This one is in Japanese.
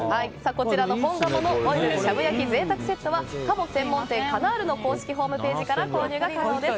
こちらの本鴨のオイルしゃぶ焼き贅沢セットは鴨専門店カナールの公式ホームページから購入が可能です。